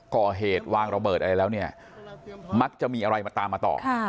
ก่อเหตุวางระเบิดอะไรแล้วเนี่ยมักจะมีอะไรมาตามมาต่อ